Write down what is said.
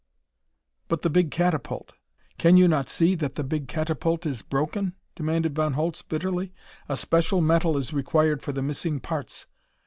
"But the big catapult " "Can you not see that the big catapult is broken?" demanded Von Holtz bitterly. "A special metal is required for the missing parts.